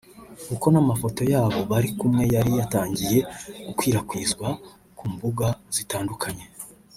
kuko n’amafoto yabo bari kumwe yari yatangiye gukwirakwizwa ku mbuga zitandukanye